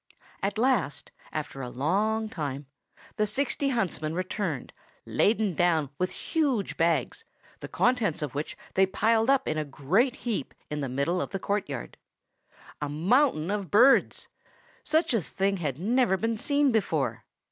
At last, after a long time, the sixty huntsmen returned, laden down with huge bags, the contents of which they piled up in a great heap in the middle of the courtyard. A mountain of birds! Such a thing had never been seen before.